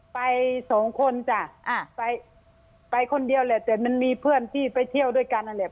ไปสองคนจ้ะไปไปคนเดียวแหละแต่มันมีเพื่อนที่ไปเที่ยวด้วยกันนั่นแหละ